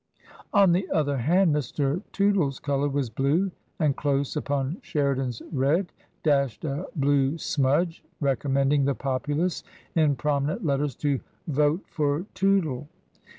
On the other hand, Mr. Tootle's colour was Blue, and close upon Sheridan's Red dashed a blue smudge, re commending the populace in prominent letters to " Vote for Tootle."